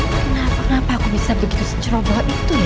kenapa kenapa aku bisa begitu secara bawa bawa itu ya